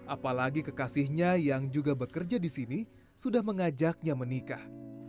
apalagi kekasihnya yang juga bekerja di sini sudah mengajaknya menikah